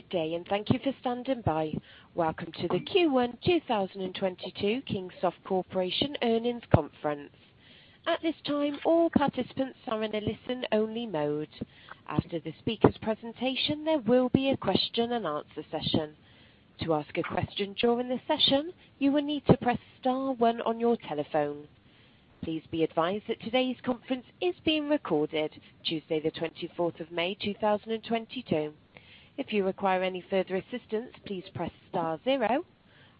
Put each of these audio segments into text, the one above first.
Good day and thank you for standing by. Welcome to the Q1 2022 Kingsoft Corporation earnings conference. At this time, all participants are in a listen-only mode. After the speaker's presentation, there will be a question and answer session. To ask a question during the session, you will need to press star one on your telephone. Please be advised that today's conference is being recorded, Tuesday, the 24th of May, 2022. If you require any further assistance, please press star zero.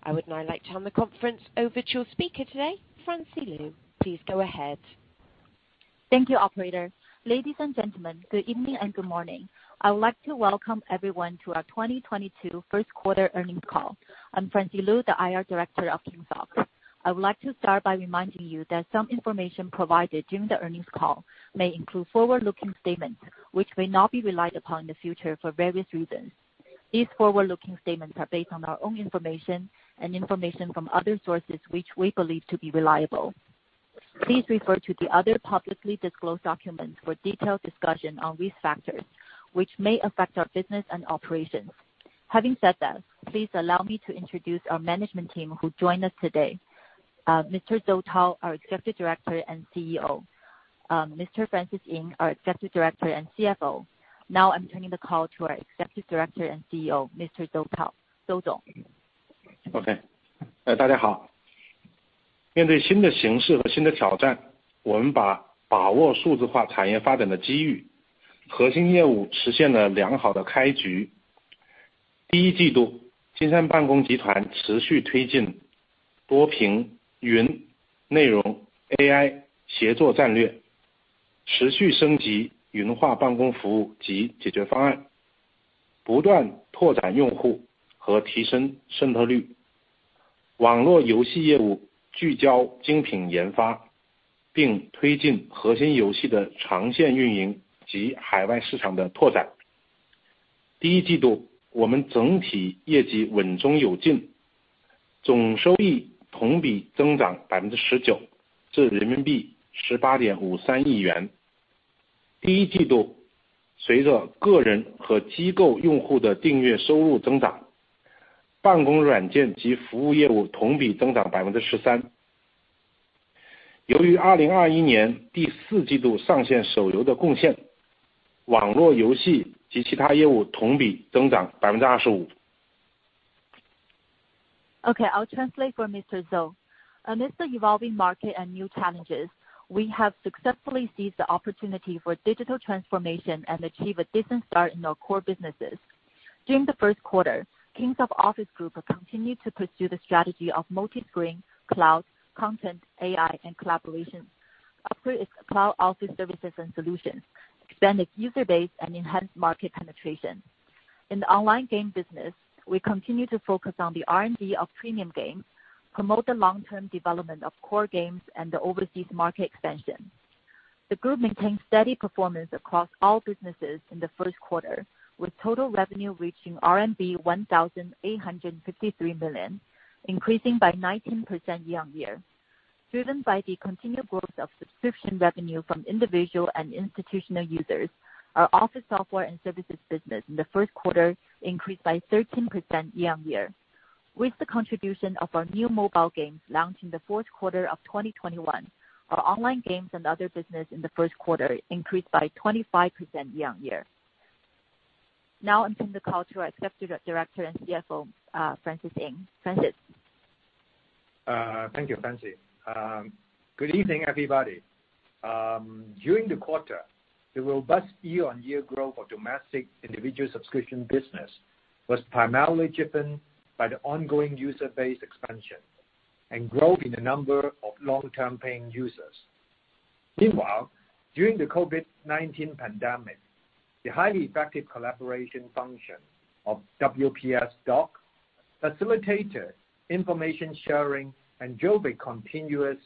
I would now like to turn the conference over to your speaker today, Francie Lu. Please go ahead. Thank you, operator. Ladies and gentlemen, good evening and good morning. I would like to welcome everyone to our 2022 first quarter earnings call. I'm Francie Lu, the IR director of Kingsoft. I would like to start by reminding you that some information provided during the earnings call may include forward-looking statements, which may not be relied upon in the future for various reasons. These forward-looking statements are based on our own information and information from other sources which we believe to be reliable. Please refer to the other publicly disclosed documents for detailed discussion on risk factors which may affect our business and operations. Having said that, please allow me to introduce our management team who joined us today. Mr. Zou Tao, our Executive Director and CEO, Mr. Francis Ng, our Executive Director and CFO. Now I'm turning the call to our Executive Director and CEO, Mr. Zou Tao. Tao Zou. Okay. Okay, I'll translate for Mr. Zou. Amidst the evolving market and new challenges, we have successfully seized the opportunity for digital transformation and achieved a decent start in our core businesses. During the first quarter, Kingsoft Office Group continued to pursue the strategy of multi-screen, cloud, content, AI, and collaboration. As its cloud office services and solutions expanded user base and enhanced market penetration. In the online game business, we continue to focus on the R&D of premium games, promote the long-term development of core games, and the overseas market expansion. The group maintained steady performance across all businesses in the first quarter, with total revenue reaching RMB 1,853 million, increasing by 19% year-on-year. Driven by the continued growth of subscription revenue from individual and institutional users, our office software and services business in the first quarter increased by 13% year-over-year. With the contribution of our new mobile games launched in the fourth quarter of 2021, our online games and other business in the first quarter increased by 25% year-over-year. Now I turn the call to our Executive Director and CFO, Francis Ng. Francis. Thank you, Francie. Good evening, everybody. During the quarter, the robust year-on-year growth of domestic individual subscription business was primarily driven by the ongoing user-base expansion and growth in the number of long-term paying users. Meanwhile, during the COVID-19 pandemic, the highly effective collaboration function of WPS Docs facilitated information sharing and drove a continuous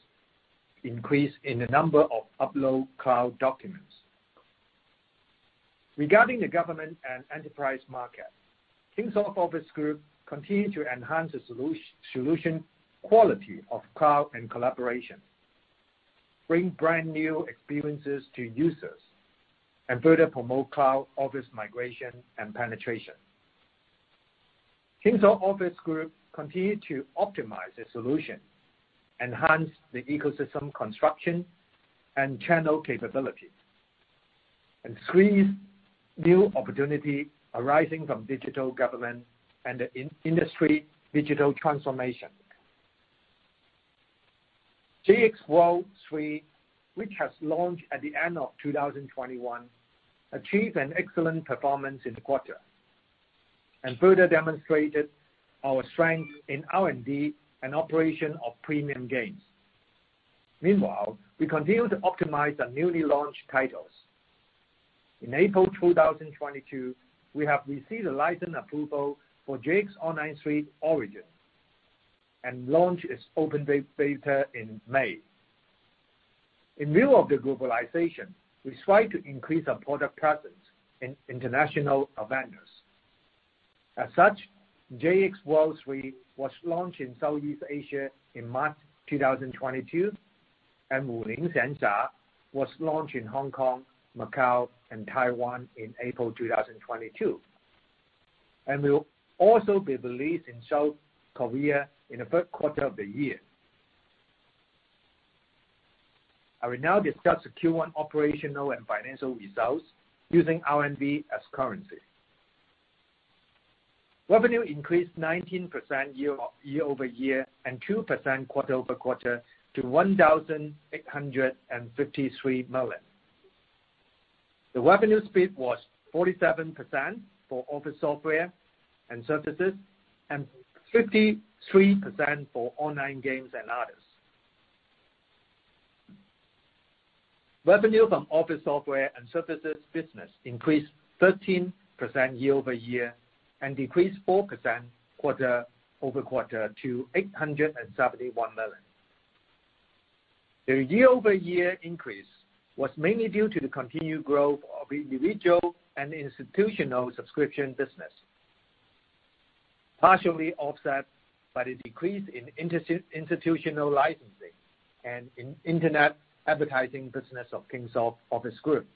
increase in the number of uploaded cloud documents. Regarding the government and enterprise market, Kingsoft Office Group continued to enhance the solution quality of cloud and collaboration, bring brand-new experiences to users, and further promote cloud office migration and penetration. Kingsoft Office Group continued to optimize the solution, enhance the ecosystem construction and channel capabilities, and seize new opportunity arising from digital government and the in-industry digital transformation. JX World III, which has launched at the end of 2021, achieved an excellent performance in the quarter and further demonstrated our strength in R&D and operation of premium games. Meanwhile, we continue to optimize the newly launched titles. In April 2022, we have received a license approval for JX Online III Origin and launched its open beta in May. In view of the globalization, we strive to increase our product presence in international vendors. As such, JX World III was launched in Southeast Asia in March 2022. Wulin Xianxia was launched in Hong Kong, Macau, and Taiwan in April 2022, will also be released in South Korea in the third quarter of the year. I will now discuss the Q1 operational and financial results using RMB as currency. Revenue increased 19% year-over-year and 2% quarter-over-quarter to 1,853 million. The revenue split was 47% for Office software and services, and 53% for online games and others. Revenue from Office software and services business increased 13% year-over-year and decreased 4% quarter-over-quarter to RMB 871 million. The year-over-year increase was mainly due to the continued growth of individual and institutional subscription business, partially offset by the decrease in institutional licensing and Internet advertising business of Kingsoft Office Group.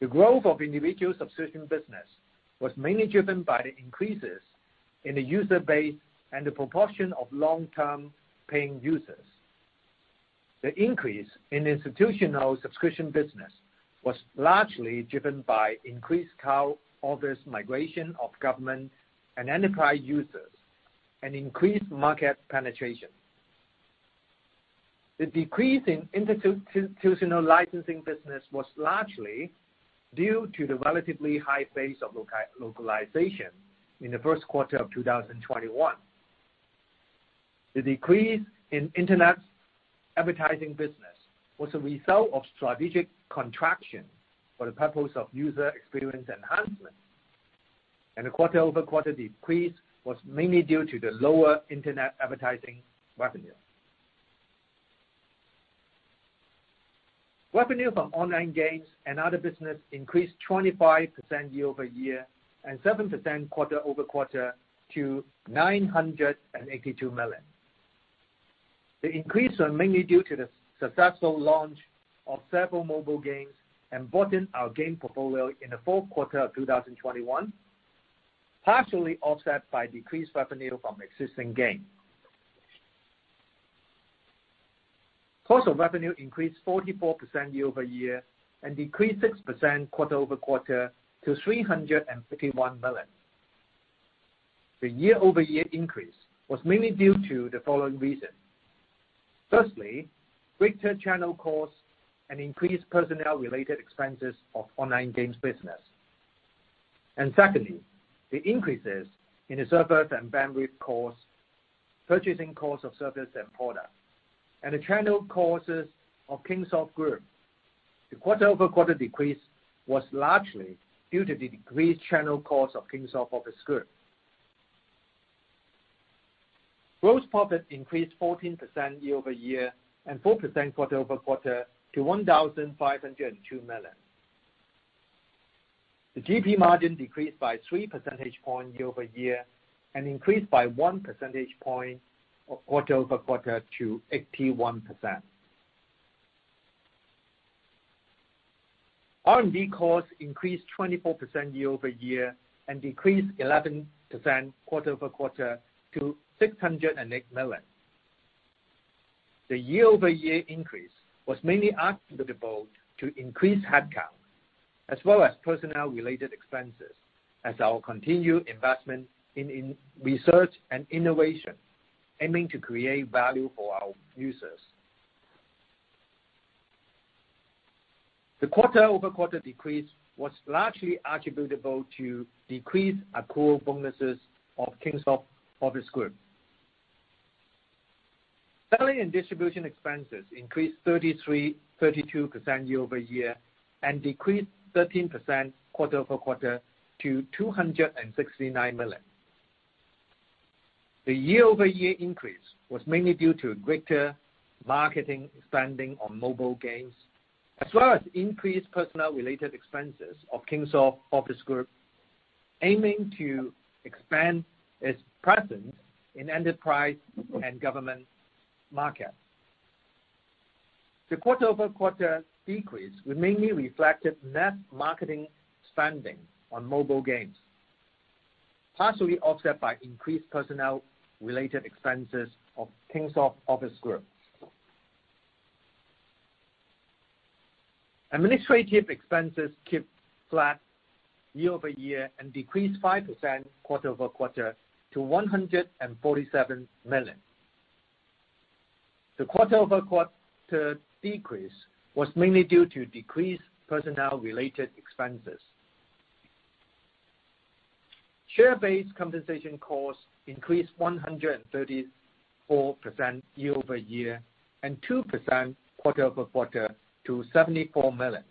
The growth of individual subscription business was mainly driven by the increases in the user base and the proportion of long-term paying users. The increase in institutional subscription business was largely driven by increased cloud Office migration of government and enterprise users and increased market penetration. The decrease in institutional licensing business was largely due to the relatively high base of localization in the first quarter of 2021. The decrease in Internet advertising business was a result of strategic contraction for the purpose of user experience enhancement, and the quarter-over-quarter decrease was mainly due to the lower Internet advertising revenue. Revenue from online games and other business increased 25% year-over-year and 7% quarter-over-quarter to 982 million. The increase was mainly due to the successful launch of several mobile games and to broaden our game portfolio in the fourth quarter of 2021, partially offset by decreased revenue from existing games. Cost of revenue increased 44% year-over-year and decreased 6% quarter-over-quarter to 351 million. The year-over-year increase was mainly due to the following reasons. Firstly, greater channel costs and increased personnel-related expenses of online games business. Secondly, the increases in the servers and bandwidth costs, purchasing costs of service and product, and the channel costs of Kingsoft Group. The quarter-over-quarter decrease was largely due to the decreased channel costs of Kingsoft Office Group. Gross profit increased 14% year-over-year and 4% quarter-over-quarter to 1,502 million. The GP margin decreased by 3 percentage points year-over-year and increased by 1 percentage point quarter-over-quarter to 81%. R&D costs increased 24% year-over-year and decreased 11% quarter-over-quarter to 608 million. The year-over-year increase was mainly attributable to increased headcount as well as personnel-related expenses as our continued investment in research and innovation, aiming to create value for our users. The quarter-over-quarter decrease was largely attributable to decreased accrued bonuses of Kingsoft Office Group. Selling and distribution expenses increased 32% year-over-year and decreased 13% quarter-over-quarter to RMB 269 million. The year-over-year increase was mainly due to greater marketing spending on mobile games, as well as increased personnel-related expenses of Kingsoft Office Group, aiming to expand its presence in enterprise and government markets. The quarter-over-quarter decrease were mainly reflected less marketing spending on mobile games, partially offset by increased personnel-related expenses of Kingsoft Office Group. Administrative expenses kept flat year-over-year and decreased 5% quarter-over-quarter to 147 million. The quarter-over-quarter decrease was mainly due to decreased personnel-related expenses. Share-based compensation costs increased 134% year-over-year and 2% quarter-over-quarter to RMB 74 million.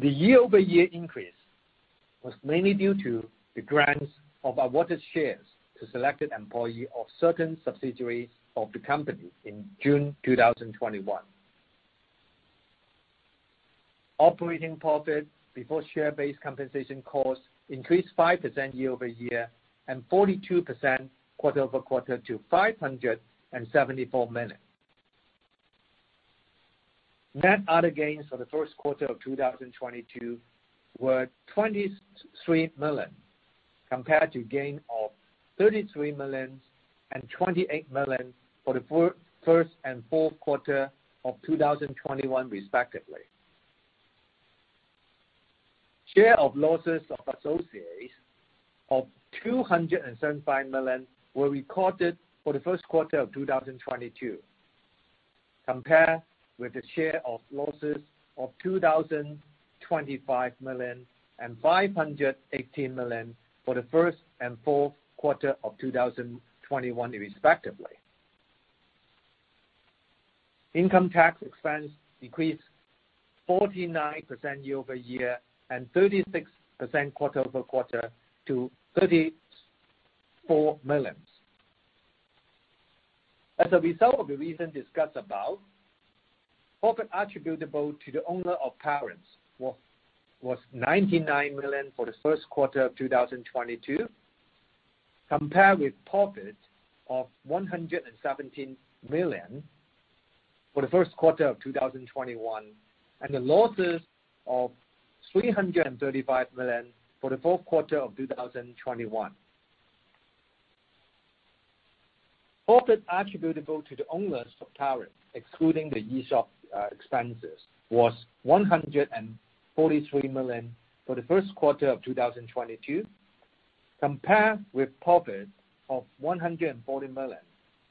The year-over-year increase was mainly due to the grants of our awarded shares to selected employee of certain subsidiaries of the company in June 2021. Operating profit before share-based compensation costs increased 5% year-over-year and 42% quarter-over-quarter to RMB 574 million. Net other gains for the first quarter of 2022 were 23 million, compared to gain of 33 million and 28 million for the first and fourth quarter of 2021 respectively. Share of losses of associates of 275 million were recorded for the first quarter of 2022, compared with the share of losses of 2,025 million and 518 million for the first and fourth quarter of 2021 respectively. Income tax expense decreased 49% year-over-year and 36% quarter-over-quarter to 34 million. As a result of the reason discussed above, profit attributable to owners of the parent was 99 million for the first quarter of 2022, compared with profit of 117 million for the first quarter of 2021, and the losses of 335 million for the fourth quarter of 2021. Profit attributable to the owners of parent, excluding the ESOP expenses, was 143 million for the first quarter of 2022, compared with profit of 140 million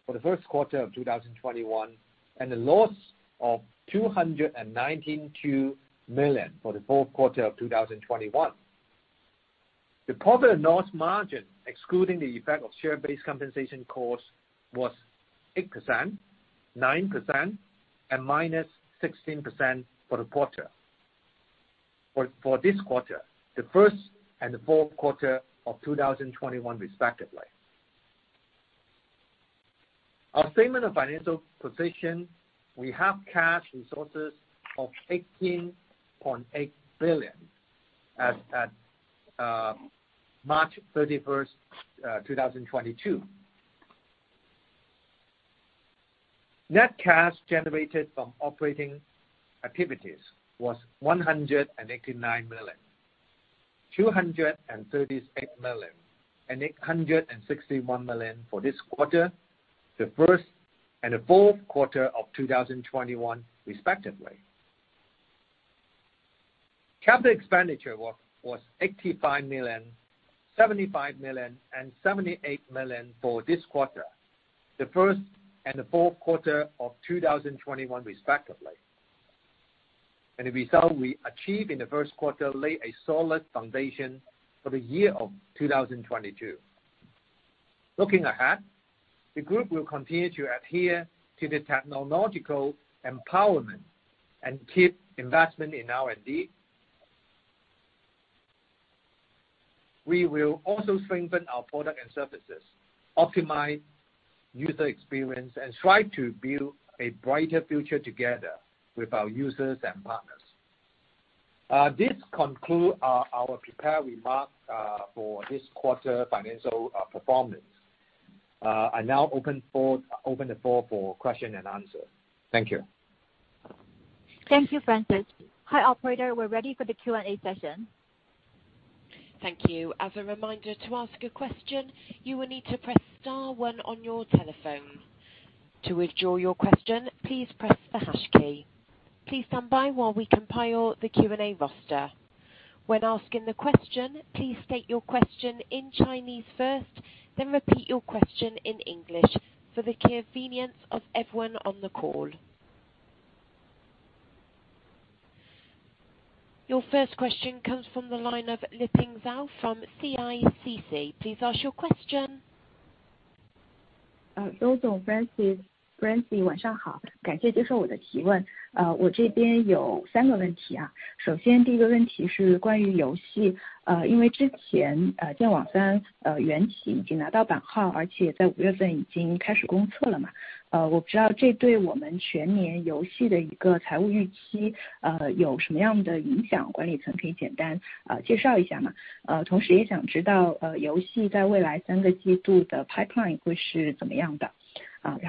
for the first quarter of 2021, and the loss of 292 million for the fourth quarter of 2021. The profit and loss margin, excluding the effect of share-based compensation costs, was 8%, 9% and -16% for the quarter. For this quarter, the first and the fourth quarter of 2021 respectively. Our statement of financial position, we have cash resources of 18.8 billion as at March 31, 2022. Net cash generated from operating activities was 189 million, 238 million, and 861 million for this quarter, the first and the fourth quarter of 2021 respectively. Capital expenditure was 85 million, 75 million and 78 million for this quarter, the first and the fourth quarter of 2021 respectively. The result we achieved in the first quarter lay a solid foundation for the year of 2022. Looking ahead, the group will continue to adhere to the technological empowerment and keep investment in R&D. We will also strengthen our product and services, optimize user experience, and strive to build a brighter future together with our users and partners. This conclude our prepared remarks for this quarter financial performance. I now open the floor for question and answer. Thank you. Thank you, Francis. Hi, operator, we're ready for the Q&A session. Thank you. As a reminder, to ask a question, you will need to press star one on your telephone. To withdraw your question, please press the hash key. Please stand by while we compile the Q&A roster. When asking the question, please state your question in Chinese first, then repeat your question in English for the convenience of everyone on the call. Your first question comes from the line of Liping Zhao from CICC. Please ask your question. Mr. Zou, Francis.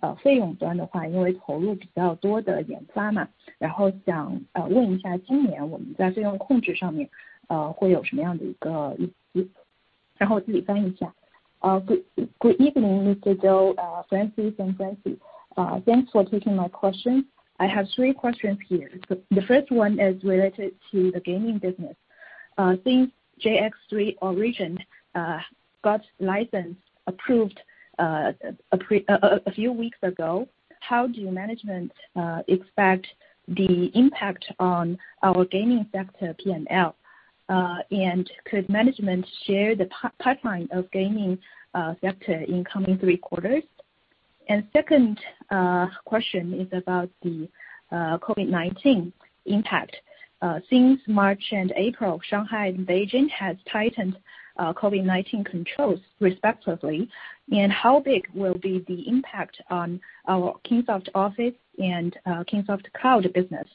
Good evening, Mr. Zou, Francis and Jesse. Thanks for taking my question. I have three questions here. The first one is related to the gaming business. Since JX3 Origin got license approved a few weeks ago, how does management expect the impact on our gaming sector P&L? Could management share the pipeline of the gaming sector in the coming three quarters? Second question is about the COVID-19 impact. Since March and April, Shanghai and Beijing has tightened COVID-19 controls respectively, and how big will be the impact on our Kingsoft Office and Kingsoft Cloud business?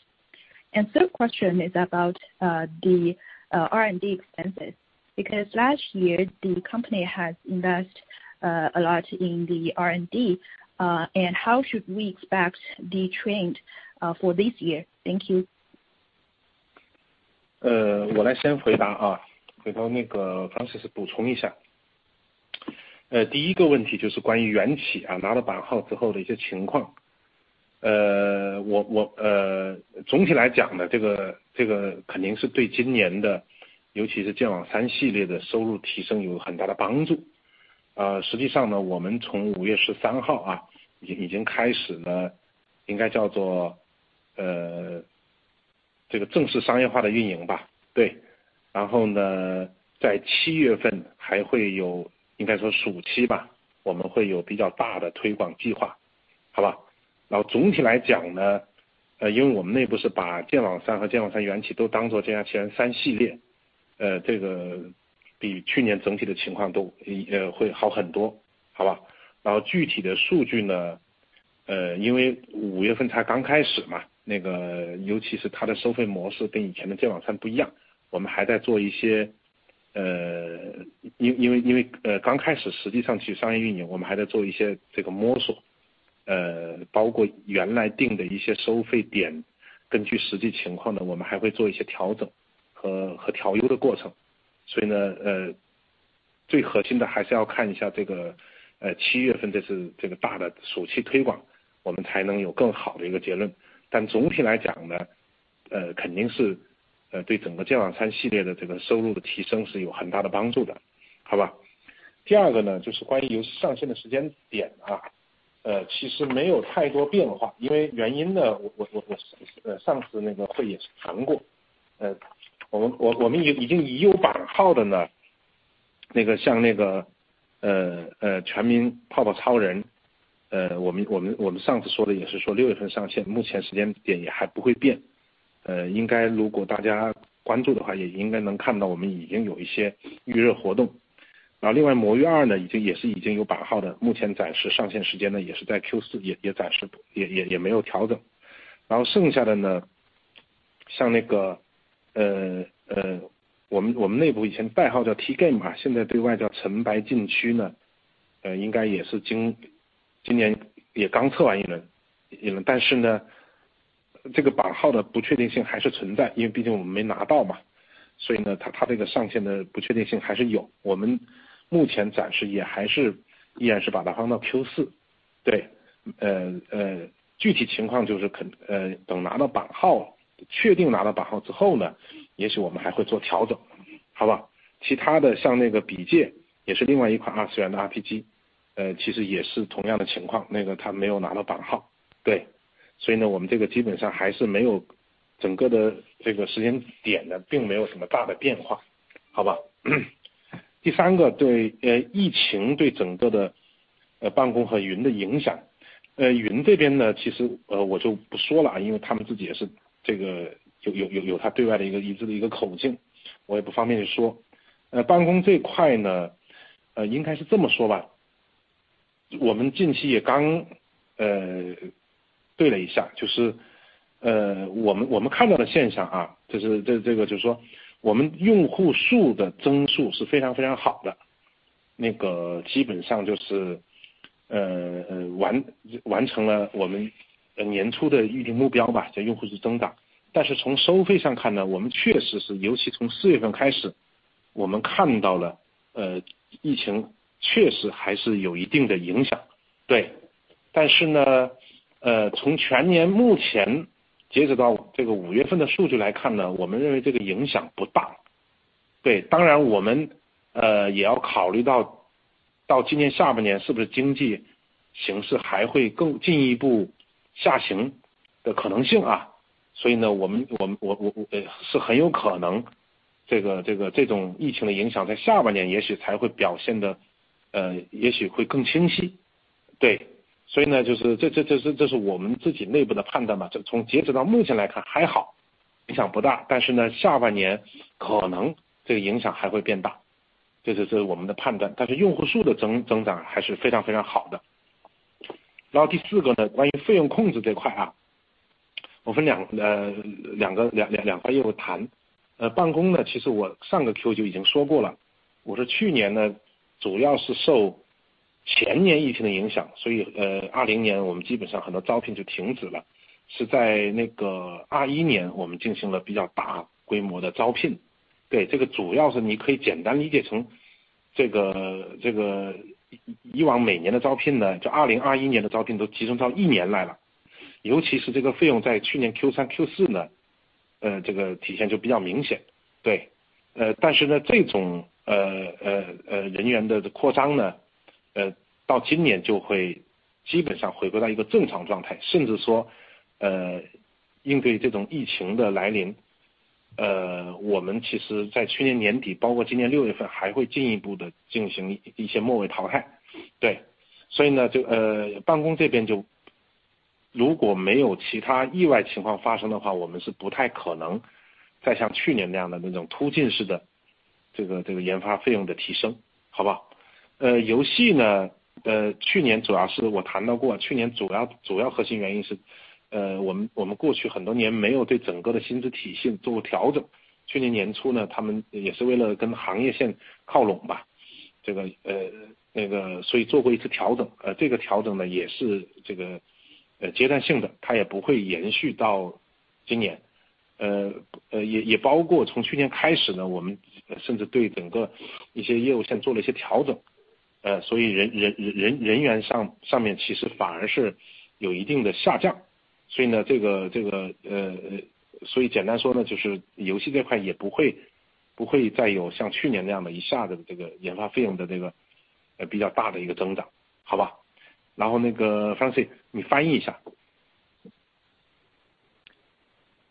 Third question is about the R&D expenses, because last year the company has invest a lot in the R&D, and how should we expect the trend for this year? Thank you. Game，现在对外叫尘白禁区，应该也是今年也刚测完一轮。但是这个版号的不确定性还是存在，因为毕竟我们没拿到。所以它这个上线的不确定性还是有，我们目前暂时也还是依然是把它放到Q4。具体情况就是，等拿到版号，确定拿到版号之后，也许我们还会做调整。其他的像那个笔剑，也是另外一款2D的RPG，其实也是同样的情况，它没有拿到版号。所以我们这个基本上整个的时间点并没有什么大的变化。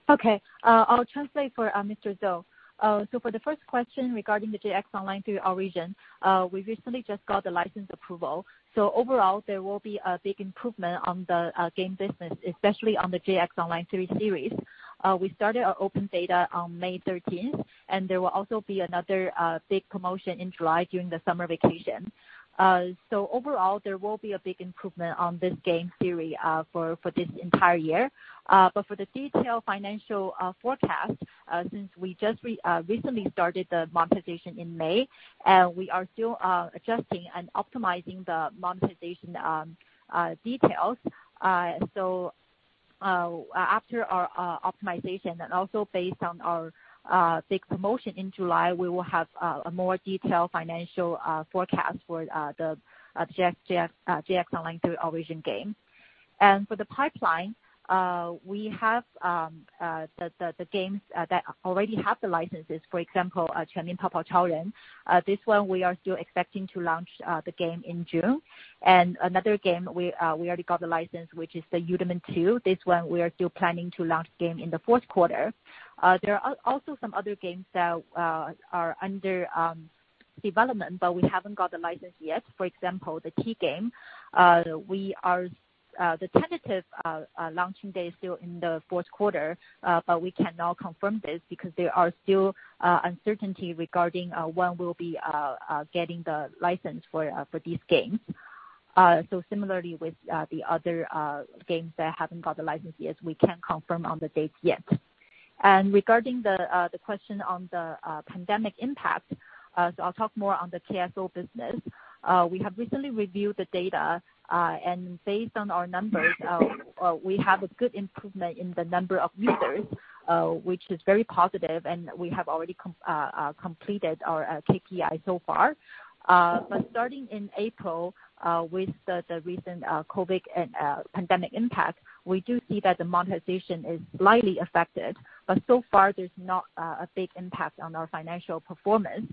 Okay. I'll translate for Mr. Zou for the first question regarding the JX Online III Origin, we recently just got the license approval, so overall there will be a big improvement on the game business, especially on the JX Online III series. We started our open beta on May 13th, and there will also be another big promotion in July during the summer vacation. So overall there will be a big improvement on this game series for this entire year. But for the detail financial forecast, since we just recently started the monetization in May, and we are still adjusting and optimizing the monetization details. So after our optimization and also based on our big promotion in July, we will have a more detail financial forecast for the JX Online III Origin game. For the pipeline, we have the games that already have the licenses, for example, [千里坡讨仇人], this one we are still expecting to launch the game in June. Another game we already got the license, which is the Eudemons II, this one we are still planning to launch game in the fourth quarter. There are also some other games that are under development, but we haven't got the license yet. For example, the T-game, the tentative launching day still in the fourth quarter, but we cannot confirm this, because there are still uncertainty regarding when we'll be getting the license for these games. Similarly with the other games that haven't got the license yet, we can't confirm on the date yet. Regarding the question on the pandemic impact, I'll talk more on the KSO business. We have recently reviewed the data, and based on our numbers we have a good improvement in the number of users, which is very positive, and we have already completed our KPI so far. Starting in April, with the recent COVID and pandemic impact, we do see that the monetization is slightly affected, but so far there's not a big impact on our financial performance.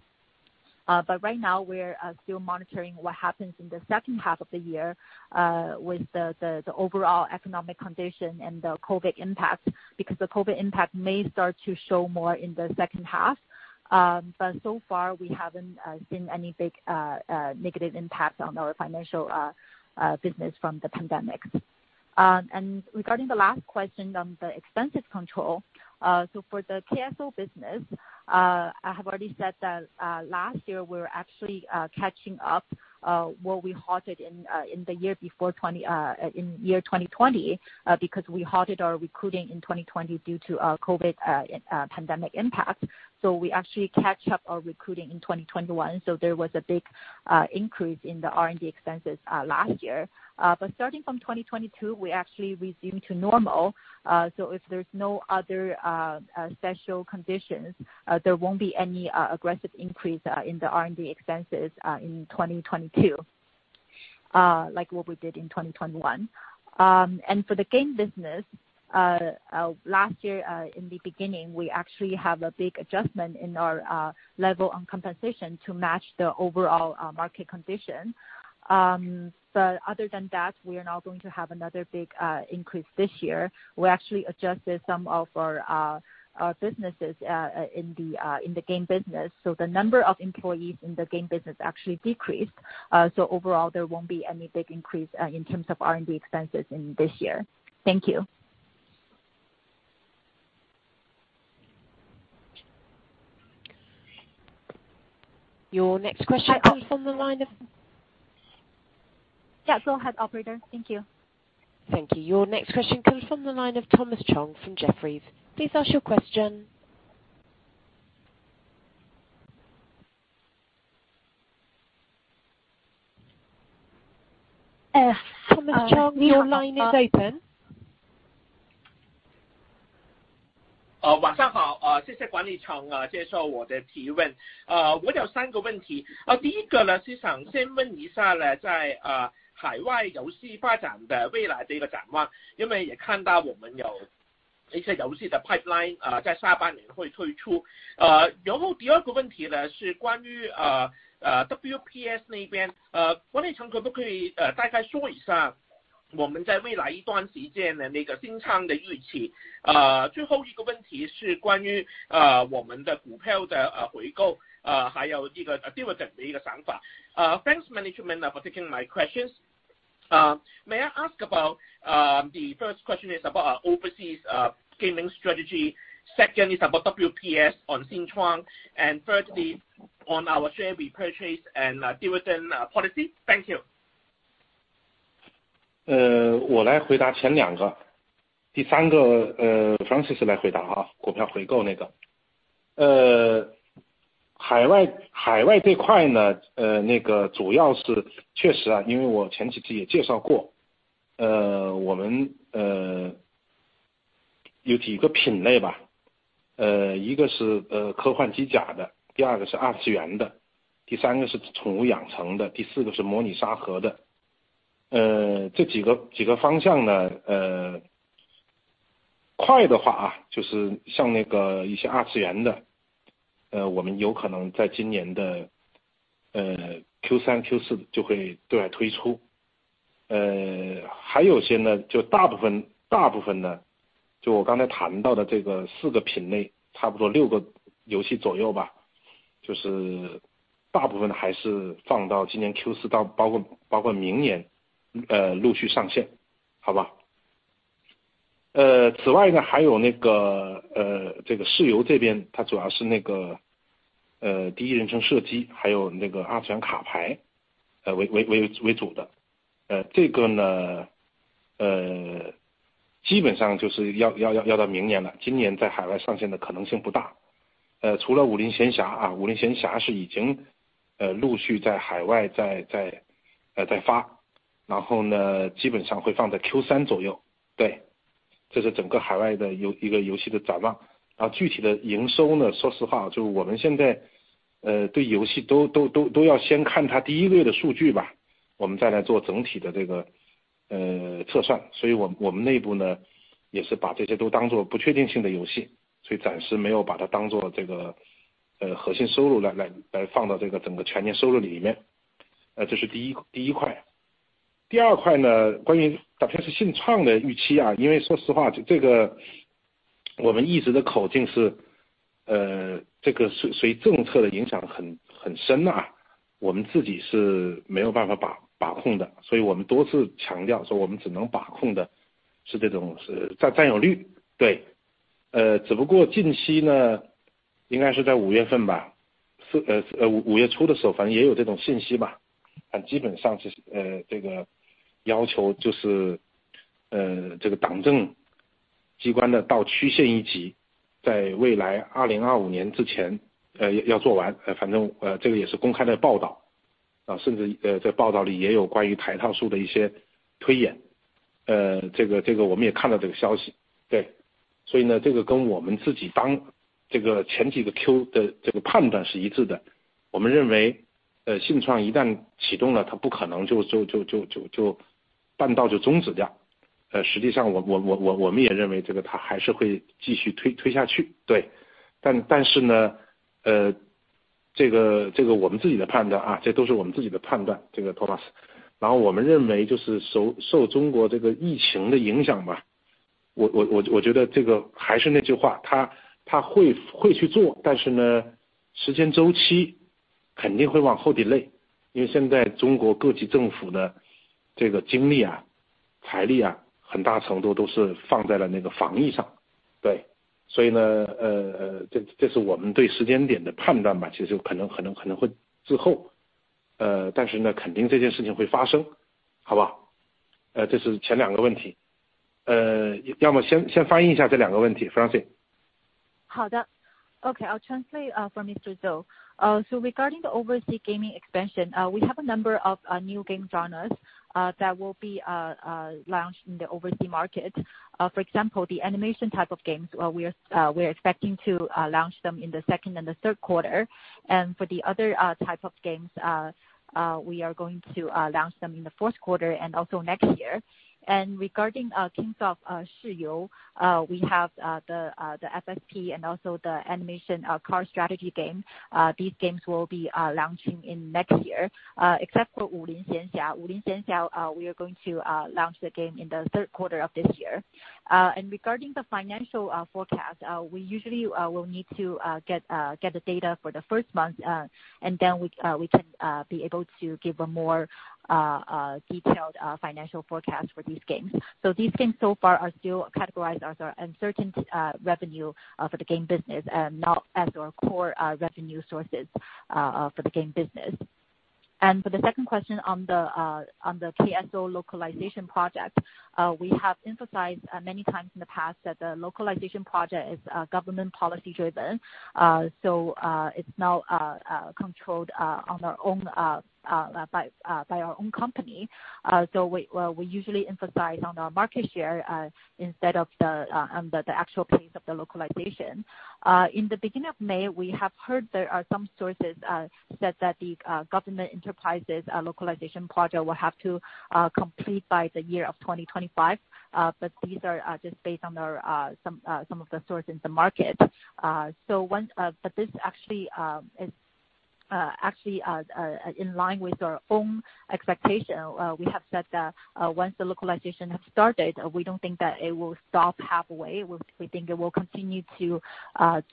Right now we're still monitoring what happens in the second half of the year, with the overall economic condition and the COVID impact, because the COVID impact may start to show more in the second half. So far we haven't seen any big negative impact on our financial business from the pandemic. Regarding the last question on the expenses control, for the KSO business, I have already said that last year we were actually catching up what we halted in the year before in year 2020, because we halted our recruiting in 2020 due to COVID pandemic impact. We actually catch up our recruiting in 2021. There was a big increase in the R&D expenses last year. Starting from 2022, we actually resume to normal. If there's no other special conditions, there won't be any aggressive increase in the R&D expenses in 2022, like what we did in 2021. For the game business, last year in the beginning, we actually have a big adjustment in our level on compensation to match the overall market condition. Other than that, we are not going to have another big increase this year. We actually adjusted some of our businesses in the game business, so the number of employees in the game business actually decreased. Overall there won't be any big increase in terms of R&D expenses in this year. Thank you. Your next question comes from the line of- Yeah, go ahead operator, thank you. Thank you. Your next question comes from the line of Thomas Chong from Jefferies. Please ask your question. Thomas Chong, your line is open. 晚上好，谢谢管理层接受我的提问。我有三个问题，第一个呢是想先问一下在海外游戏发展的未来的一个展望，因为也看到我们有一些游戏的pipeline，在下半年会推出。然后第二个问题呢，是关于WPS那边，国内层可不可以大概说一下我们在未来一段时间的那个信创的预期。最后一个问题是关于我们的股票的回购，还有这个dividend的一个想法。Thanks management for taking my questions. May I ask about the first question is about our overseas gaming strategy. Second is about WPS on Xinchuang, and thirdly, on our share repurchase and dividend policy. Thank you. 我来回答前两个。第三个，Francis来回答，股票回购那个。海外这块呢，主要是，确实，因为我前几期也介绍过，我们有几个品类，一个是科幻机甲的，第二个是二次元的，第三个是宠物养成的，第四个是模拟沙盒的。这几个方向呢，快的话，就是像一些二次元的，我们有可能在今年的Q三、Q四就会对外推出。还有些呢，就大部分，大部分呢，就我刚才谈到的这个四个品类，差不多六个游戏左右，就是大部分还是放到今年Q四到包括明年，陆续上线，好吧。此外呢，还有这边，它主要是第一人称射击，还有二次元卡牌为主的。这个呢，基本上就是要到明年了，今年在海外上线的可能性不大。除了武林闲侠，武林闲侠是已经陆续在海外在发，然后呢，基本上会放在Q三左右。对，这是整个海外游戏的一个展望。然后具体的营收呢，说实话，就我们现在对游戏都要先看它第一月的数据，我们再来做整体的测算。所以我们内部呢，也是把这些都当做不确定性的游戏，所以暂时没有把它当做核心收入来放到整个全年收入里面。这是第一块。第二块呢，关于WPS信创的预期，因为说实话，这个我们一直的口径是，这个受政策的影响很深，我们自己是没有办法把控的，所以我们多次强调说我们只能把控的是这种占有率，对。只不过近期呢，应该是在五月份，是五月初的时候，反正也有这种信息，很基本上就是，这个要求，就是这个党政机关的到区县一级，在未来2025年之前，要做完。反正，这个也是公开的报道，甚至在报道里也有关于台套数的一些推演，这个我们也看到这个消息。对，所以呢，这个跟我们自己当前几个Q的判断是一致的。我们认为，信创一旦启动了，它不可能就半道就终止掉。实际上我们也认为这个它还是会继续推下去，对。但是呢，这个我们自己的判断，这都是我们自己的判断，这个Thomas。然后我们认为就是受中国这个疫情的影响，我觉得这个还是那句话，它会去做，但是呢，时间周期肯定会往后延。因为现在中国各级政府的精力、财力，很大程度都是放在了防疫上，对，所以这是我们对时间点的判断，其实可能会滞后，但是呢，肯定这件事情会发生，好不好？这是前两个问题。要么先翻译一下这两个问题，Francis。Okay, I'll translate from Mr. Zou. Regarding the overseas gaming expansion, we have a number of new game genres that will be launched in the overseas market. For example, the animation type of games, we're expecting to launch them in the second and the third quarter. For the other type of games, we are going to launch them in the fourth quarter and also next year. Regarding our Kingsoft Shiyou, we have the [FXP] and also the animation card strategy game. These games will be launching in next year, except for Wulin Xianxia. Wulin Xianxia, we are going to launch the game in the third quarter of this year. Regarding the financial forecast, we usually will need to get the data for the first month, and then we can be able to give a more detailed financial forecast for these games. These games so far are still categorized as our uncertain revenue for the game business, and not as our core revenue sources for the game business. For the second question on the KSO localization project, we have emphasized many times in the past that the localization project is government policy driven. It's not controlled on our own by our own company. We usually emphasize on our market share instead of the actual pace of the localization. In the beginning of May, we have heard there are some sources said that the government enterprises localization project will have to complete in the year of 2025. These are just based on some sources in the market. This actually is in-line with our own expectations. We have said that once the localization has starts, we do not think it will stop halfway. We think it will continue to a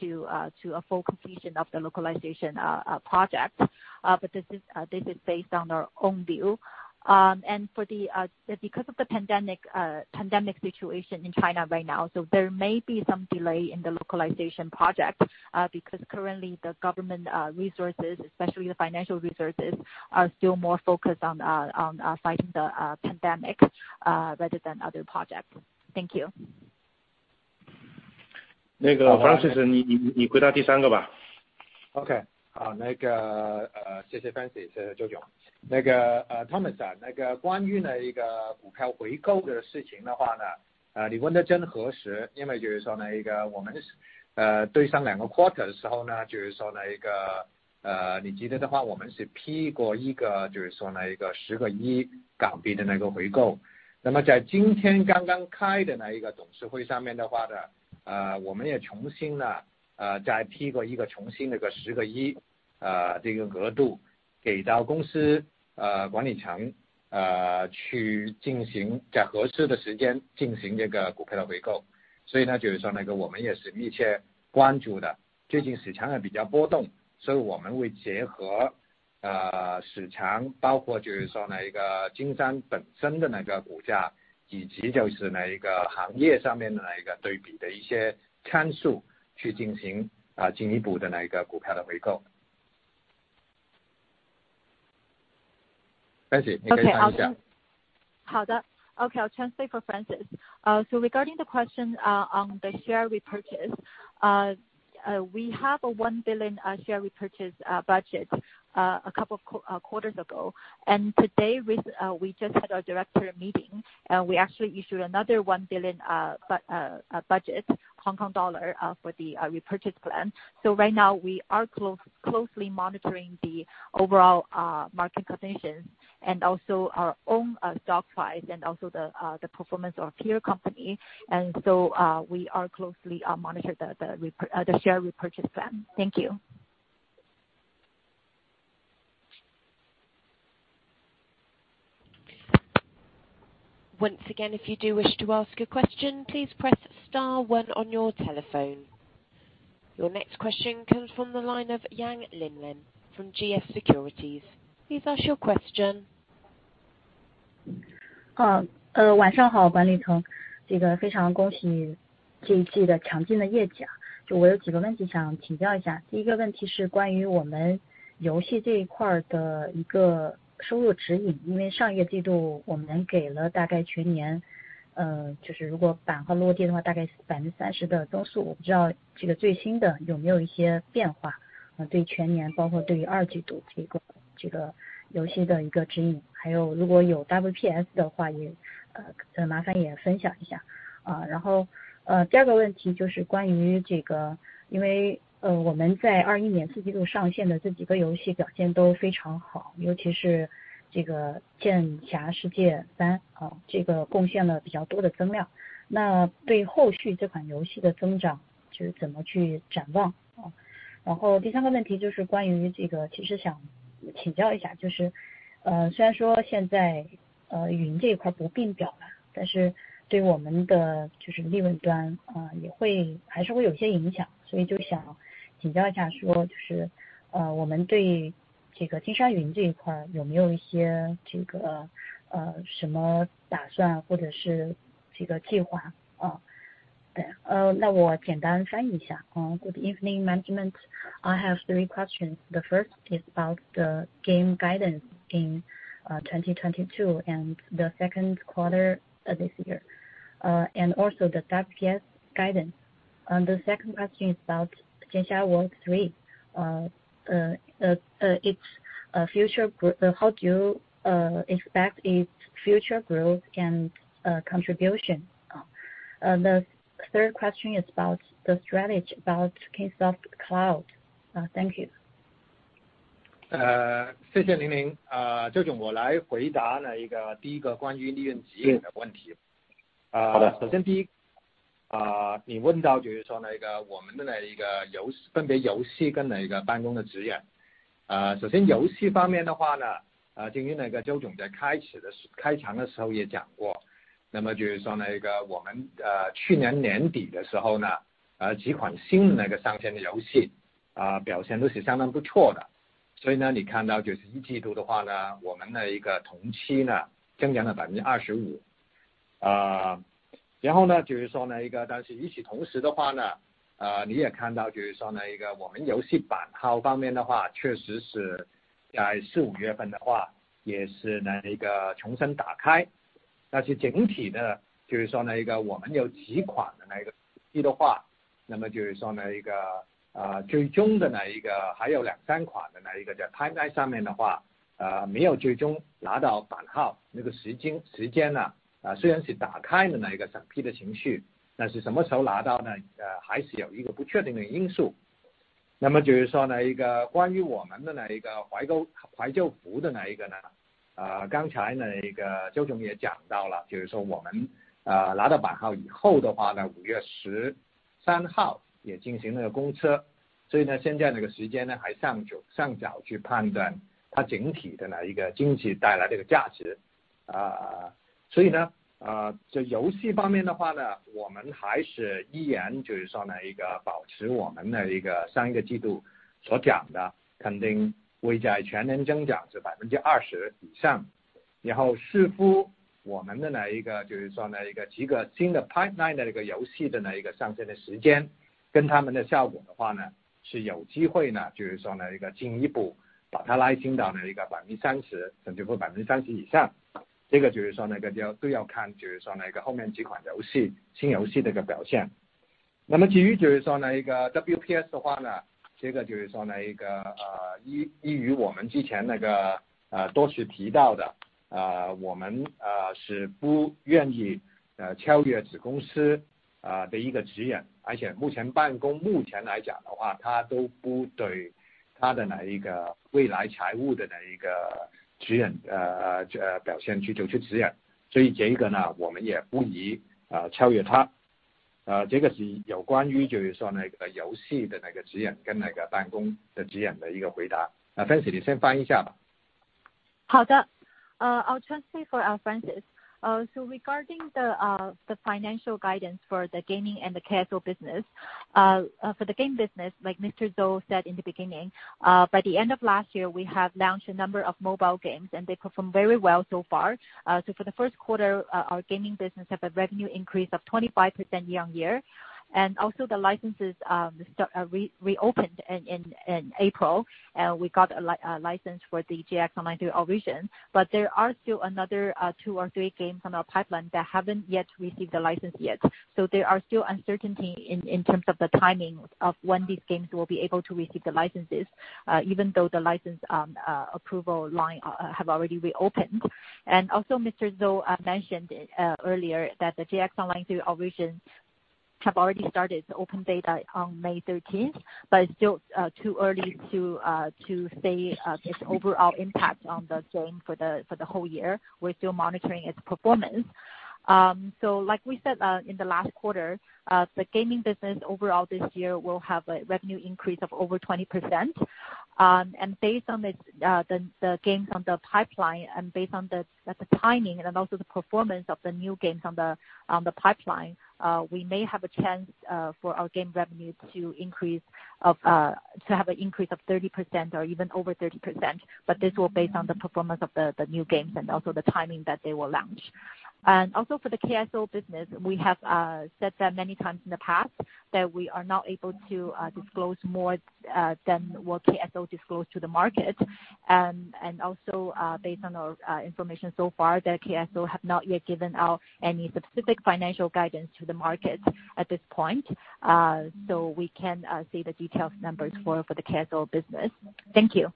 full completion of the localization project. This all is based on our own viewpoint. Because of the pandemic situation in China right now, so there may be some delay in the localization project, because currently government resources, especially financial resources, are still more focused on the pandemic rather than other projects. Thank you. 那个Francis，你回答第三个吧。好，Thomas 讲的关于股票回购的事情，你问得真合适，因为就是说我们对上两个 quarter 的时候，你记得的话，我们是批过一个十亿港币的回购。那么在今天刚刚开的董事会上面，我们也重新再批过一个，重新十亿这个额度给到公司管理层，去进行在合适的时间进行股票的回购。所以就是说我们也是密切关注的，最近市场也比较波动，所以我们会结合市场，包括就是说金山本身的股价，以及行业上面对比的一些参数去进行进一步的股票回购。Francis，你可以翻译一下。好的, Okay, I'll translate for Francis. Regarding the question on the share repurchase, we have a 1 billion share repurchase budget a couple of quarters ago, and today we just had our director meeting, and we actually issued another 1 billion budget for the repurchase plan. Right now we are closely monitoring the overall market conditions and also our own stock price and also the performance of peer company. We are closely monitor the share repurchase plan. Thank you. Once again, if you do wish to ask a question, please press star one on your telephone. Your next question comes from the line of Yang Linlin from GF Securities. Please ask your question. 对。那我简单翻译一下。Good evening, management. I have three questions. The first is about the game guidance in 2022 and the second quarter of this year, and also the WPS guidance. The second question is about JX World III, how do you expect its future growth and contribution? The third question is about the strategy about Kingsoft Cloud. Thank you. 谢谢琳琳。周总，我来回答那第一个关于利润指引的问题。好的。首先第一，你问到就是说我们的游戏，分别游戏跟办公的指引。首先游戏方面的话，今天周总在开始的开场的时候也讲过，就是说我们去年年底的时候，几款新的上线的游戏，表现都是相当不错的。所以你看到就是一季度的话，我们的同期增加了25%。然后就是说那个但是同时的话，你也看到就是说我们游戏版号方面的话，确实是在四五月份的话也是重新打开。但是整体的就是说我们有几款游戏的话，最终还有两三款在pipeline上面的话，没有最终拿到版号，时间呢，虽然是打开了审批的程序，但是什么时候拿到呢，还是有一个不确定的因素。关于我们的怀旧服，刚才周总也讲到了，就是说我们拿到版号以后，五月十三号也进行了公测。所以现在这个时间，尚早去判断它整体带来的经济价值。所以游戏方面，我们还是依然保持我们上一个季度所讲的，肯定会在全年增长是20%以上，然后视乎我们几个新的pipeline的游戏的上线时间，跟他们的效果，是有机会进一步把它拉近到30%，甚至说30%以上，这个就是要看后面几款新游戏的表现。其余就是说WPS的话，依于我们之前多次提到的，我们不愿意超越子公司的指引，而且目前办公来讲，它都不对它的未来财务表现去做出指引。所以这个我们也不宜超越它。这个是有关于游戏的指引跟办公的指引的回答。Francis，你先翻译一下吧。Okay. I'll translate for Francis. So regarding the financial guidance for the gaming and the KSO business. For the game business, like Mr. Zou said in the beginning, by the end of last year, we have launched a number of mobile games and they perform very well so far. For the first quarter, our gaming business have a revenue increase of 25% year-on-year. The licenses reopened in April, and we got a license for the JX Online through our region. There are still another two or three games on our pipeline that haven't yet received the license yet. There are still uncertainty in terms of the timing of when these games will be able to receive the licenses, even though the license approval line have already reopened. Mr. Zou mentioned earlier that the JX Online through our regions have already started open data on May 13th, but it's still too early to say its overall impact on the game for the whole year. We're still monitoring its performance. Like we said in the last quarter, the gaming business overall this year will have a revenue increase of over 20%. Based on this, the games on the pipeline and based on the timing and also the performance of the new games on the pipeline, we may have a chance for our game revenue to have an increase of 30% or even over 30%. This will based on the performance of the new games and also the timing that they will launch. For the KSO business, we have said that many times in the past that we are not able to disclose more than what KSO disclose to the market. Based on our information so far that KSO have not yet given out any specific financial guidance to the market at this point. We can't say the detailed numbers for the KSO business. Thank you.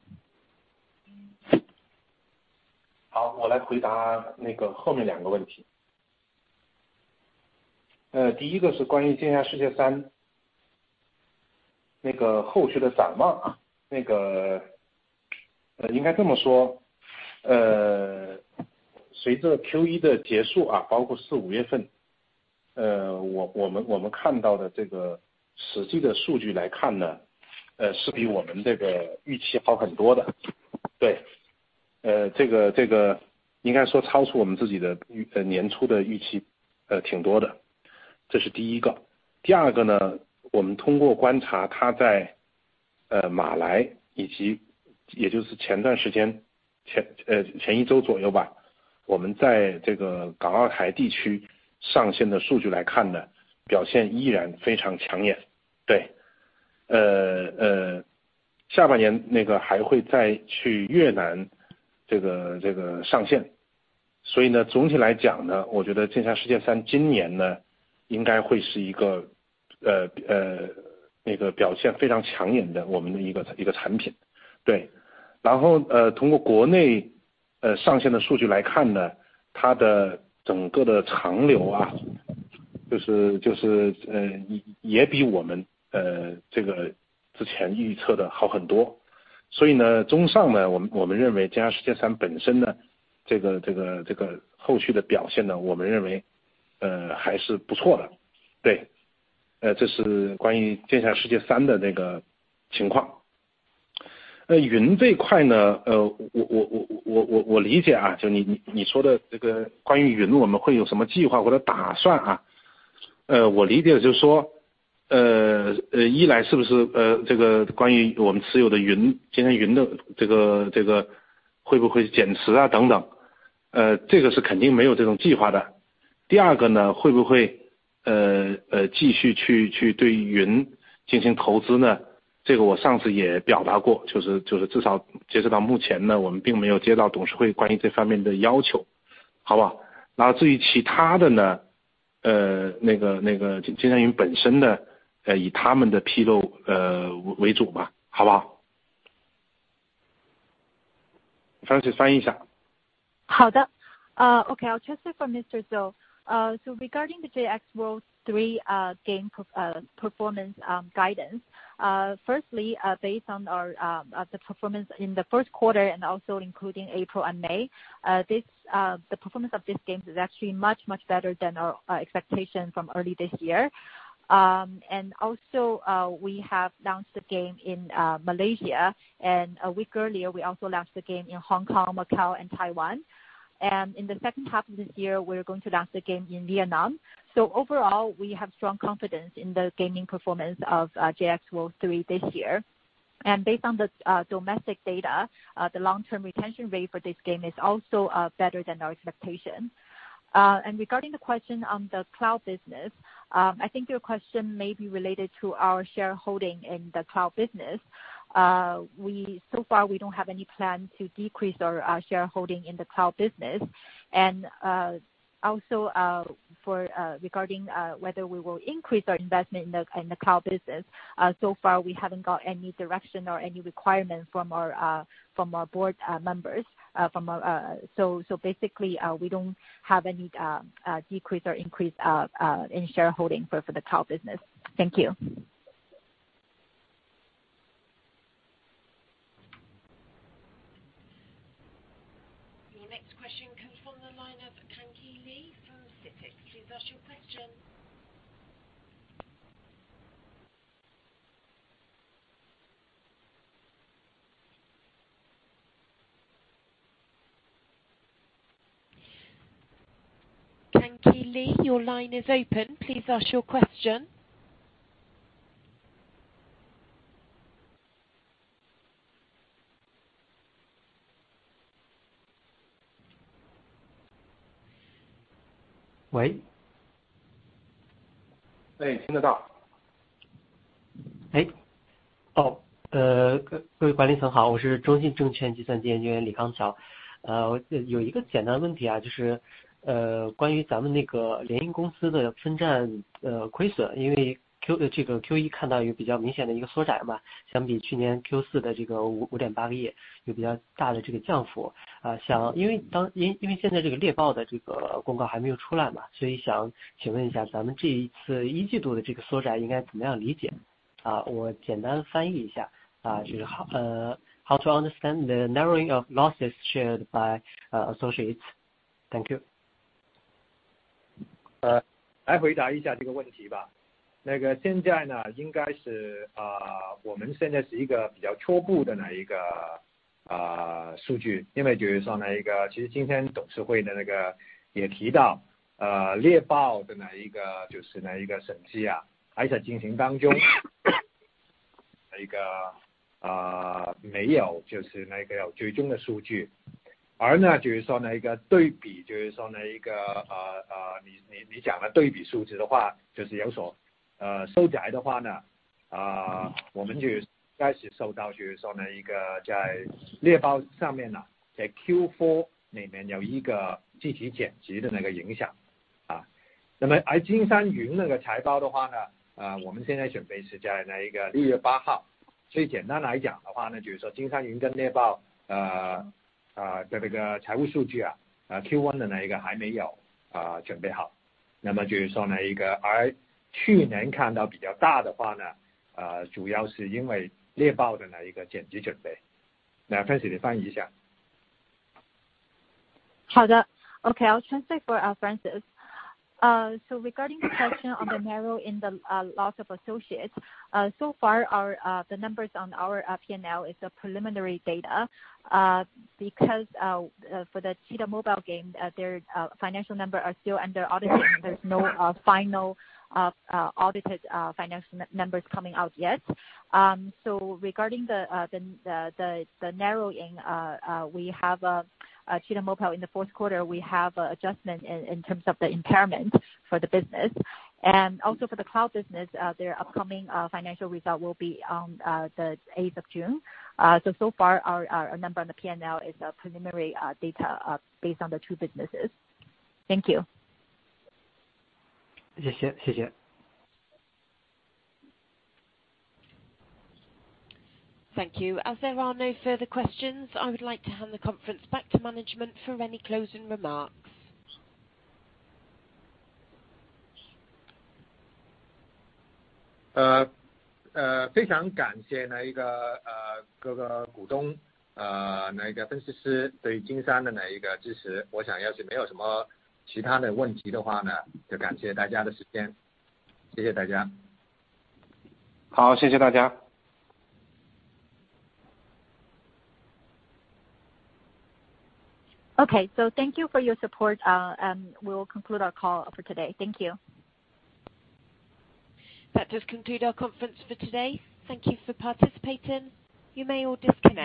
翻译翻译一下。好的。Okay, I'll translate for Mr. Zou. Regarding the JX World III game performance guidance. Firstly, based on our the performance in the first quarter and also including April and May, this the performance of this game is actually much better than our expectation from early this year. We have launched the game in Malaysia, and a week earlier we also launched the game in Hong Kong, Macau and Taiwan. In the second half of this year, we're going to launch the game in Vietnam. Overall, we have strong confidence in the gaming performance of JX World III this year. Based on the domestic data, the long-term retention rate for this game is also better than our expectation. Regarding the question on the cloud business, I think your question may be related to our shareholding in the cloud business. So far we don't have any plan to decrease our shareholding in the cloud business. Also, regarding whether we will increase our investment in the cloud business. So far we haven't got any direction or any requirements from our board members. So basically we don't have any decrease or increase in shareholding for the cloud business. Thank you. Your next question comes from the line of [Kanki Lee] from CITIC. Please ask your question. [Kanki Lee], your line is open. Please ask your question. 喂。哎，听得到。各位管理层好，我是中信证券计算机研究员李刚乔。我这有一个简单问题，就是关于咱们那个联营公司的分占亏损，因为Q1看到有比较明显的一个缩窄嘛，相比去年Q4的这个5.8个亿，有比较大的这个降幅，因为现在这个猎豹的这个公告还没有出来嘛，所以想请问一下，咱们这一季度的这个缩窄应该怎么样理解？我简单翻译一下，就是how to understand the narrowing of losses shared by associates. Thank you. 现在应该是一个比较初步的数据，因为今天董事会也提到，猎豹的审计还在进行当中，没有最终的数据。对比数据有所缩窄的话，我们开始收到在猎豹上面在Q4里面有一个计提减值的影响。金山云的财报，我们现在准备是在六月八号。简单来讲，金山云跟猎豹的财务数据，Q1的还没有准备好。去年看到比较大的话，主要是因为猎豹的减值准备。Francis，你翻译一下。好的。Okay, I'll translate for Francis. Regarding the question on the narrowing in the loss of associates. So far our numbers on our P&L are preliminary data, because for the Cheetah Mobile game, their financial numbers are still under audit. There's no final audited financial numbers coming out yet. Regarding the narrowing, we have Cheetah Mobile in the fourth quarter, we have adjustment in terms of the impairment for the business. Also for the cloud business, their upcoming financial result will be on the 8th of June. So far our number on the P&L is preliminary data based on the two businesses. Thank you. 谢谢，谢谢。Thank you. As there are no further questions, I would like to hand the conference back to management for any closing remarks. 非常感谢各个股东、分析师对金山的支持，要是没有什么其他的问题的话，就感谢大家的时间，谢谢大家。好，谢谢大家。Okay, thank you for your support. We will conclude our call for today. Thank you. That does conclude our conference for today. Thank you for participating. You may all disconnect.